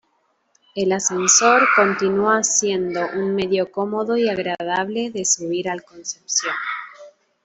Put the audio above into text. El ascensor continúa siendo un medio cómodo y agradable de subir al Concepción.